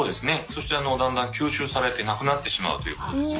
そしてだんだん吸収されて無くなってしまうということですよね。